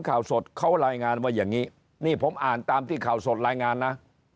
ข่าวสดเขารายงานว่าอย่างนี้นี่ผมอ่านตามที่ข่าวสดรายงานนะ